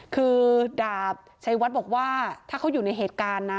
คือดาบชัยวัดบอกว่าถ้าเขาอยู่ในเหตุการณ์นะ